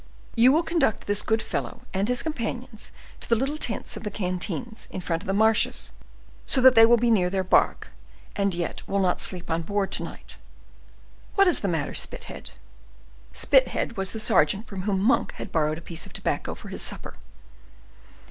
"You will conduct this good fellow and his companions to the little tents of the canteens, in front of the marshes, so that they will be near their bark, and yet will not sleep on board to night. What is the matter, Spithead?" Spithead was the sergeant from whom Monk had borrowed a piece of tobacco for his supper.